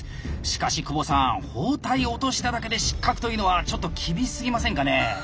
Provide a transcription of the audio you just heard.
しかし久保さん包帯を落としただけで失格というのはちょっと厳しすぎませんかね？